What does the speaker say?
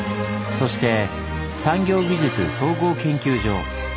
そして産業技術総合研究所。